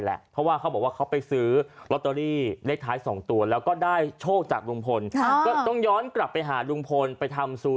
หมู่บ้านครับเนี่ยคือรักกันไปเหมือนเป็นงานอะไรก็ไม่รู้